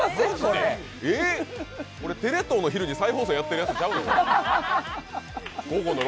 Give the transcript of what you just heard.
テレ東の昼に再放送やってるやつ、ちゃうの？